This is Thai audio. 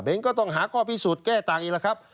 ก็ต้องหาข้อพิสูจน์แก้ต่างอีกแล้วครับ